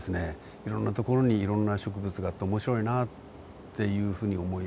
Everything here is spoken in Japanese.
いろんな所にいろんな植物があって面白いなっていうふうに思い始める。